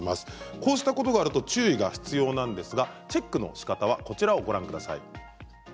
こうしたことがあると注意が必要なんですがチェックのしかたはこちらをご覧ください。